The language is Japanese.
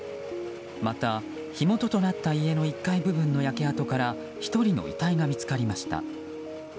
また、火元となった家の１階部分の焼け跡から１人の遺体が見つかりました。